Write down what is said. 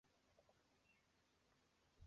裂瓣翠雀为毛茛科翠雀属下的一个变种。